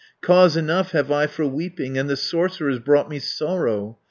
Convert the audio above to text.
Cause enough have I for weeping, And the sorcerer's brought me sorrow.